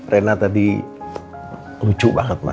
reina tadi lucu banget ma